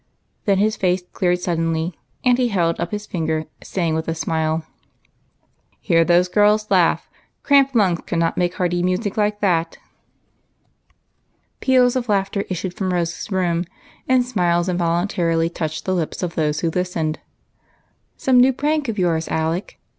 Then his face cleared suddenly, and he held up his finger, saying, with a smile, " Hear those girls laugh ; cramped lungs could not make hearty music like that." Peals of laughter issued from Rose's room, and smiles involuntarily touched the lips of those who listened to the happy sound. "Some new prank of yours, Alec?"